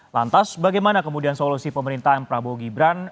lantas bagaimana kemudian solusi pemerintahan prabowo gibran